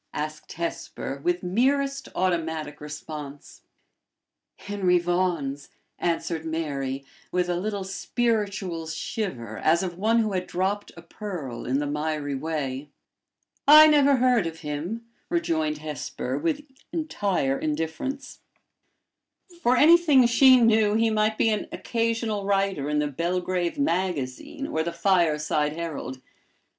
asked Hesper, with merest automatic response. "Henry Vaughan's," answered Mary, with a little spiritual shiver as of one who had dropped a pearl in the miry way. "I never heard of him," rejoined Hesper, with entire indifference. For anything she knew, he might be an occasional writer in "The Belgrave Magazine," or "The Fireside Herald."